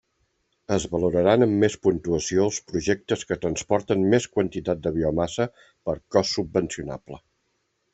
Es valoraran amb més puntuació els projectes que transporten més quantitat de biomassa per cost subvencionable.